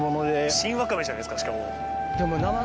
新ワカメじゃないですかしかも。